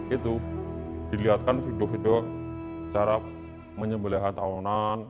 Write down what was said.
itu dilihatkan video video cara menyembeleha tahunan